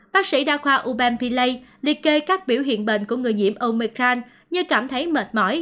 bác sĩ đa khoa ubem philae liệt kê các biểu hiện bệnh của người nhiễm omicron như cảm thấy mệt mỏi